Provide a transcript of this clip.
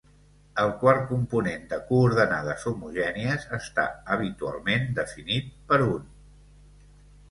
El quart component de coordenades homogènies està habitualment definit per un.